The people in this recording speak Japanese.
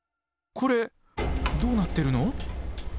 コレどうなってるの！？